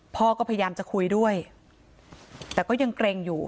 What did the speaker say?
พ่อก็พยายามจะคุยด้วยแต่ก็ยังเกร็งอยู่